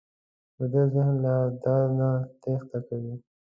ویده ذهن له درد نه تېښته کوي